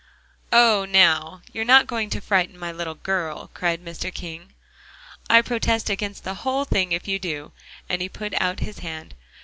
"Oh, now! you are not going to frighten my little girl," cried Mr. King. "I protest against the whole thing if you do," and he put out his hand.